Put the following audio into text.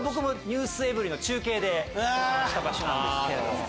『ｎｅｗｓｅｖｅｒｙ．』の中継でお邪魔した場所なんですけども。